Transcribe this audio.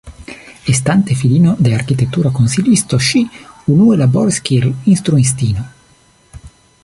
Estante filino de arkitektura konsilisto ŝi unue laboris kiel instruistino.